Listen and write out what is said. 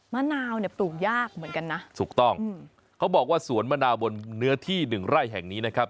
มะนาวเนี่ยปลูกยากเหมือนกันนะถูกต้องเขาบอกว่าสวนมะนาวบนเนื้อที่หนึ่งไร่แห่งนี้นะครับ